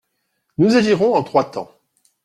Nous agirons en trois temps.